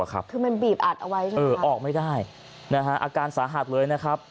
คือมันบีบอัดเอาไว้ไงออกไม่ได้อาการสาหัสเลยนะครับ